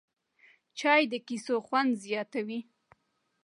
چای د کیسو خوند زیاتوي